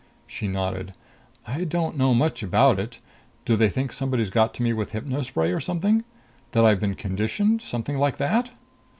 She nodded. "I don't know much about it.... Do they think somebody's got to me with a hypno spray or something? That I've been conditioned? Something like that?"